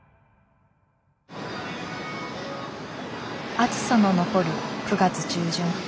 暑さの残る９月中旬。